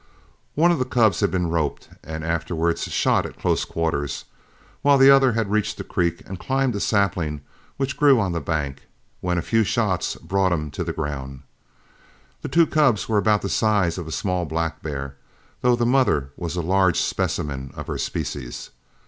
One of the cubs had been roped and afterwards shot at close quarters, while the other had reached the creek and climbed a sapling which grew on the bank, when a few shots brought him to the ground. The two cubs were about the size of a small black bear, though the mother was a large specimen of her species.